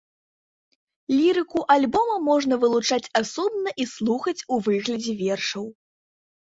Лірыку альбома можна вылучаць асобна і слухаць у выглядзе вершаў.